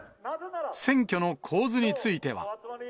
選挙の構図については。